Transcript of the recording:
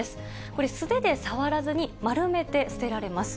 これ、素手で触らずに丸めて捨てられます。